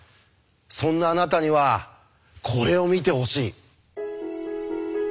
そんなあなたにはこれを見てほしい。